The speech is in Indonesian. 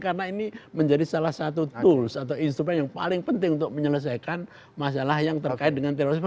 karena ini menjadi salah satu tools atau instrument yang paling penting untuk menyelesaikan masalah yang terkait dengan terorisme